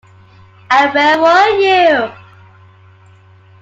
And where were you?